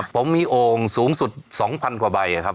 ผมมีโอ่งสูงสุด๒๐๐๐กว่าใบครับ